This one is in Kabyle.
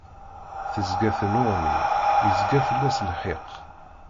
Tezga tennuɣni, yezga fell-as lxiq.